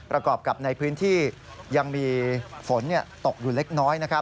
กรอบกับในพื้นที่ยังมีฝนตกอยู่เล็กน้อย